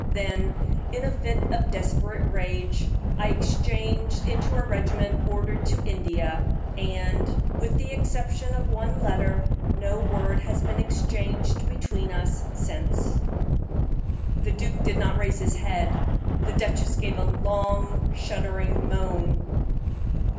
Then, in a fit of desperate rage, I exchanged into a regiment ordered to India, and, with the exception of one letter, no word has been exchanged between us since." The duke did not raise his head. The duchess gave a long, shuddering moan.